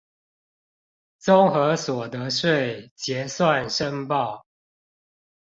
綜合所得稅結算申報